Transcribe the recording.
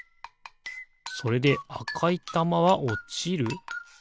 それであかいたまはおちる？